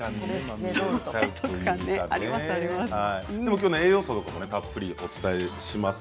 きょうは栄養素などもたっぷりお伝えします。